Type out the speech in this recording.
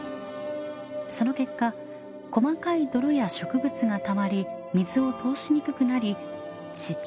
その結果細かい泥や植物がたまり水を通しにくくなり湿地となったのです。